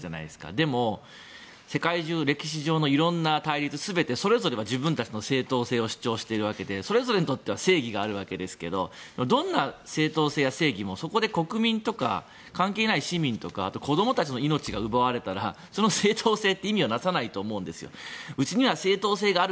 でも、世界中歴史上の色んな対立全てそれぞれが自分たちの正当性を主張していてそれぞれ自分たちの正義があるわけですがどんな正当性や正義もそこで国民とか関係ない市民とかあと子どもたちの命が奪われたらその正当性は意味をなさないと思うんですよ。